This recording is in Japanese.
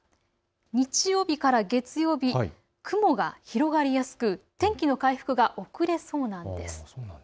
日曜日から月曜日、雲が広がりやすく天気の回復が遅れそうなんです。